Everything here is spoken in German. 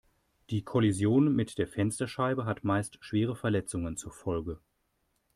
Die Kollision mit der Fensterscheibe hat meist schwere Verletzungen zur Folge.